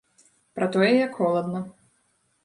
Пра тое, як холадна.